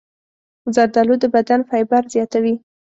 زردالو د بدن فایبر زیاتوي.